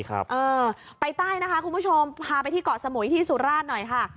เออไปใต้นะคะคุณผู้ชมพาไปที่เกาะสมุยที่สุราชหน่อยค่ะ